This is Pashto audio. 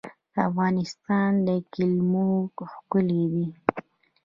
د افغانستان ګلیمونه ښکلي دي